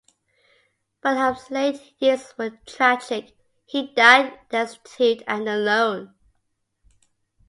Burnham's late years were tragic; he died destitute and alone.